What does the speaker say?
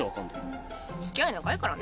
つきあい長いからね。